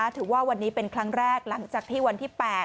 ถือว่าวันนี้เป็นครั้งแรกหลังจากที่วันที่๘